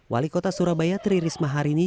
wali kota surabaya tri risma harini